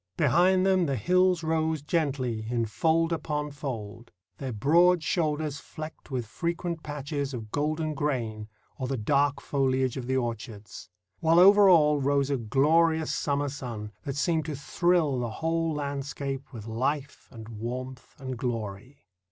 Behind them the hills rose gently in fold upon fold, their broad shoulders flecked with frequent patches of golden grain or the dark foliage of the orchards; while over all rose a glorious summer sun that seemed to thrill the whole landscape with life and warmth and glory.